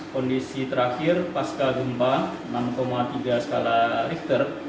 kondisi terakhir pasca gempa enam tiga skala richter